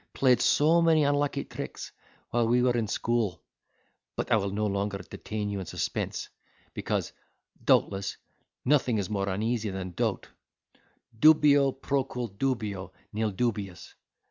played so many unlucky tricks while we were at school—but I will no longer detain you in suspense, because (doubtless) nothing is more uneasy than doubt—Dubio procul dubio nil dubius.